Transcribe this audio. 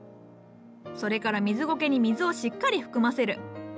それから水ゴケに水をしっかり含ませる。